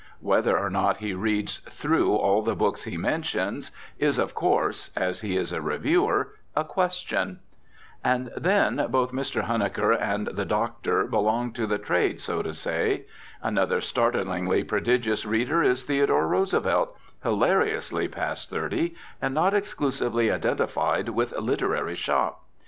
Whether or not he reads through all the books he mentions is of course (as he is a reviewer) a question. And, then, both Mr. Huneker and the Doctor belong to the trade, so to say. Another startlingly prodigious reader is Theodore Roosevelt, hilariously past thirty, and not exclusively identified with literary "shop."